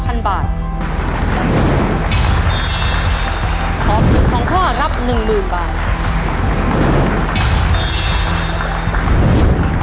ตอบถูก๒ข้อรับ๑๐๐๐บาท